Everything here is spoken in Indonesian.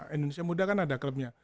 indonesia muda kan ada klubnya